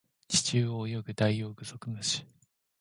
地中を泳ぐダイオウグソクムシ